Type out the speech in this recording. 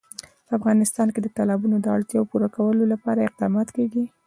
په افغانستان کې د تالابونه د اړتیاوو پوره کولو لپاره اقدامات کېږي.